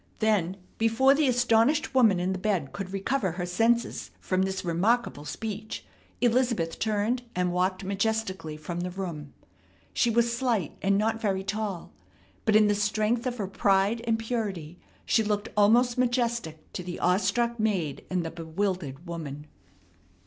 Then before the astonished woman in the bed could recover her senses from this remarkable speech Elizabeth turned and walked majestically from the room. She was slight and not very tall, but in the strength of her pride and purity she looked almost majestic to the awestruck maid and the bewildered woman.